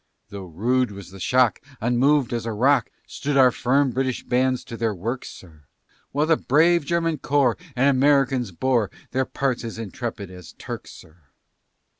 Though rude was the shock, Unmov'd as a rock, Stood our firm British bands to their works, sir, While the brave German corps, And Americans bore Their parts as intrepid as Turks, sir.